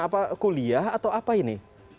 apa kuliah atau apa ini